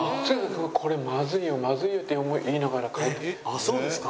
あっそうですか。